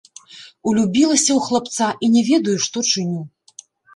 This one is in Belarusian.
Улюбілася ў хлапца і не ведаю, што чыню.